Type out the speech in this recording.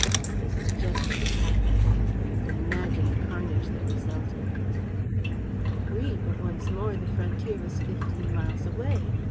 This was just what had happened; and you can imagine the carnage that resulted." "I agree; but, once more, the frontier was fifteen miles away.